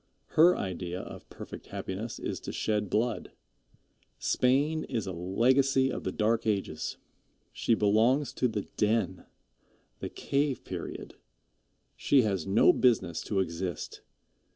Her idea of perfect happiness is to shed blood. Spain is a legacy of the Dark Ages. She belongs to the den, the cave period. She has no business to exist.